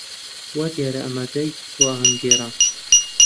وا دیارە ئامادەیت بۆ ئاهەنگگێڕان.